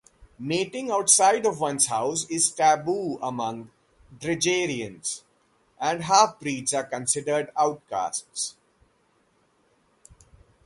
Mating outside of one's House is taboo among Dragaerans, and half-breeds are considered outcasts.